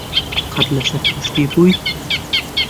قەت لەسەر کەشتی بوویت؟